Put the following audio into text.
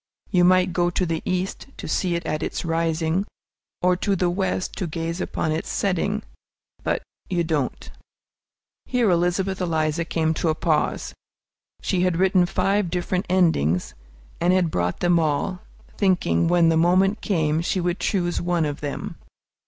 You might go to the East to see it at its rising, or to the West to gaze upon its setting, but you don't. Here Elizabeth Eliza came to a pause. She had written five different endings, and had brought them all, thinking, when the moment came, she would choose one of them.